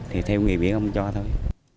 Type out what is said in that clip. thì theo nghề biển ông cho thôi